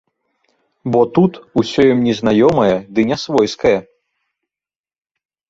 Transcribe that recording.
Бо тут усё ім незнаёмае ды нясвойскае.